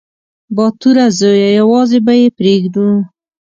_باتوره زويه! يوازې به يې پرېږدو.